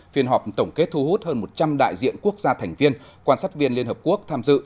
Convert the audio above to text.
phiên họp tổng kết thu hút hơn một trăm linh đại diện quốc gia thành viên quan sát viên liên hợp quốc tham dự